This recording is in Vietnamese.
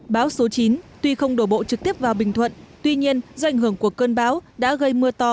bão số chín tuy không đổ bộ trực tiếp vào bình thuận tuy nhiên do ảnh hưởng của cơn bão đã gây mưa to